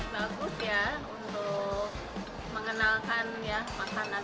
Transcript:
bagus ya untuk mengenalkan makanan italia itu